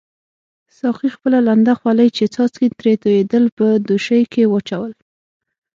ساقي خپله لنده خولۍ چې څاڅکي ترې توییدل په دوشۍ کې واچول.